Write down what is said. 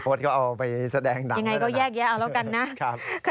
พลสก็เอาไปแสดงหนังแล้วนะนะยังไงก็แยกเอาแล้วกันนะครับ